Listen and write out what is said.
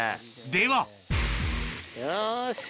ではよし。